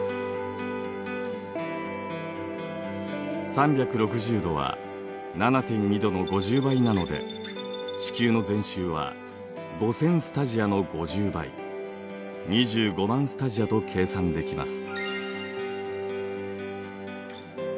３６０度は７．２度の５０倍なので地球の全周は５，０００スタジアの５０倍２５０，０００スタジアと計算できます。